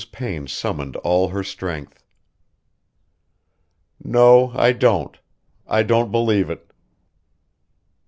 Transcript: Payne summoned all her strength. "No, I don't. I don't believe it."